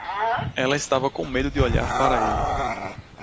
Ela estava com medo de olhar para ele.